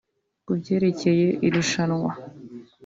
Ku byerekeye irushanwa